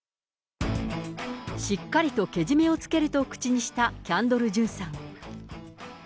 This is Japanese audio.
しっかりとけじめをつけると口にしたキャンドル・ジュンさん。